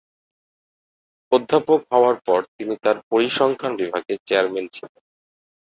অধ্যাপক হওয়ার পর তিনি তার পরিসংখ্যান বিভাগে চেয়ারম্যান ছিলেন।